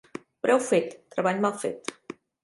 Preu fet, treball mal fet.